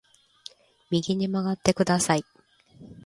右に曲がってください